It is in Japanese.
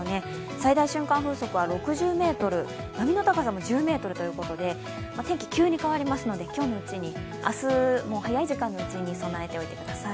最大瞬間風速は６０ｍ波の高さも１０ｍということで天気、急に変わりますので今日のうち、明日早い時間のうちに備えておいてください。